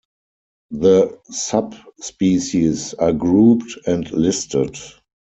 The subspecies are grouped and listed.